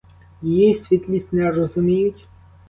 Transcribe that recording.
Її світлість не розуміють?